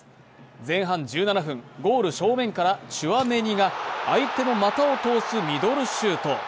前半１７分、ゴール正面からチュアメニが相手の股を通すミドルシュート。